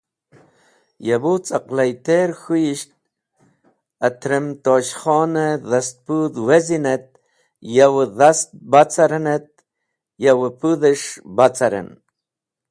Ya bu cẽqlayter k̃hũyish atrem Tosh Khon dhastpũdh wazen et yow dhast ba caren et yow pũdhes̃h ba caren.